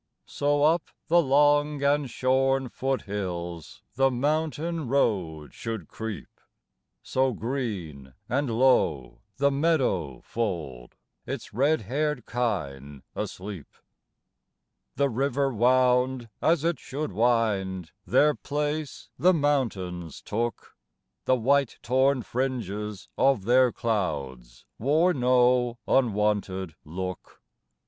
So up the long and shorn foot hills The mountain road should creep; So, green and low, the meadow fold Its red haired kine asleep. The river wound as it should wind; Their place the mountains took; The white torn fringes of their clouds Wore no unwonted look.